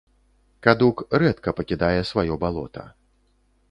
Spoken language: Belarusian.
Кадук рэдка пакідае сваё балота.